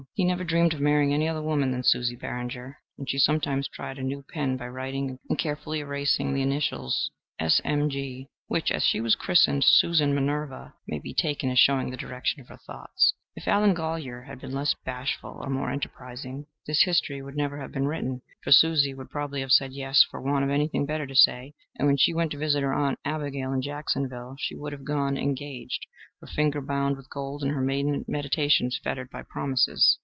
He never dreamed of marrying any other woman than Susie Barringer, and she sometimes tried a new pen by writing and carefully erasing the initials S.M.G., which, as she was christened Susan Minerva, may be taken as showing the direction of her thoughts. If Allen Golyer had been less bashful or more enterprising, this history would never have been written; for Susie would probably have said Yes for want of anything better to say, and when she went to visit her aunt Abigail in Jacksonville she would have gone engaged, her finger bound with gold and her maiden meditations fettered by promises.